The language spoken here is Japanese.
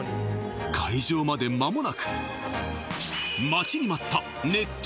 開場まで間もなく待ちに待った・